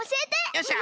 よっしゃ。